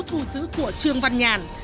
thu giữ của trương văn nhàn